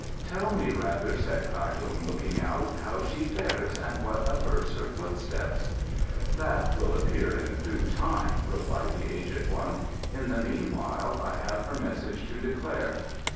"Tell me rather," said Kai Lung, looking out, "how she fares and what averts her footsteps?" "That will appear in due time," replied the aged one. "In the meanwhile I have her message to declare.